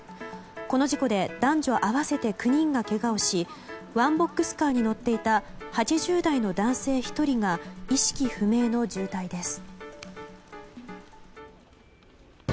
この事故で男女合わせて９人がけがをしワンボックスカーに乗っていた８０代の男性１人が意識不明の重体です。